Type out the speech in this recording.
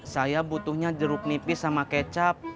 saya butuhnya jeruk nipis sama kecap